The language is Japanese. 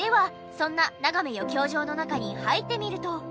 そんなながめ余興場の中に入ってみると。